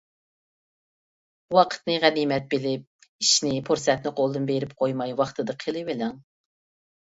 ۋاقىتنى غەنىيمەت بىلىپ، ئىشنى پۇرسەتنى قولدىن بېرىپ قويماي ۋاقتىدا قىلىۋېلىڭ.